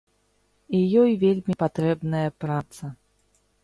І ёй вельмі патрэбная праца.